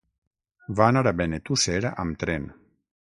Va anar a Benetússer amb tren.